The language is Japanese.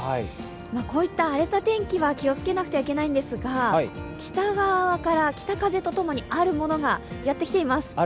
こういった荒れた天気は気をつけなくてはいけないんですが、北側から、北風とともにあるものがやってきています。